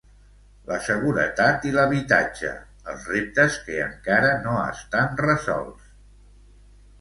La seguretat i l'habitatge, els reptes que encara no estan resolts.